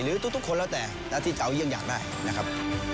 หรือทุกคนแล้วแต่ที่จะเอาเยี่ยงอยากได้นะครับ